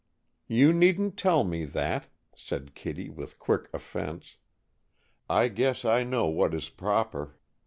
"You needn't tell me that," said Kittie, with quick offense. "I guess I know what is proper.